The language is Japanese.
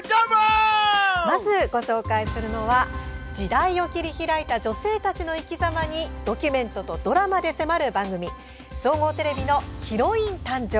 まずご紹介するのは時代を切り開いた女性たちの生きざまにドキュメントとドラマで迫る番組総合テレビの「ヒロイン誕生！